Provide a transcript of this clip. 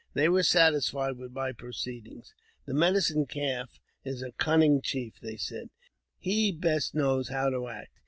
They were satisfied with my proceeding. "The Medicine Calf is a cunning chief," they said ;" he best knows how to act.